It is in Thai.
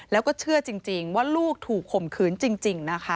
แล้วก็เชื่อจริงว่าลูกถูกข่มขืนจริงนะคะ